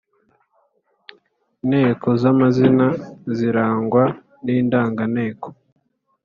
Inteko z’amazina zirangwa ni ndanganteko